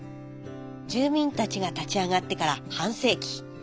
住民たちが立ち上がってから半世紀。